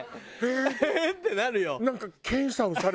えっ？ってなるよ。